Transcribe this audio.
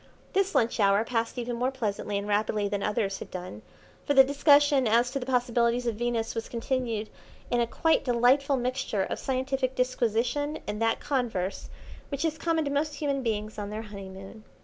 This lunch hour passed even more pleasantly and rapidly than others had done, for the discussion as to the possibilities of Venus was continued in a quite delightful mixture of scientific disquisition and that converse which is common to most human beings on their honeymoon.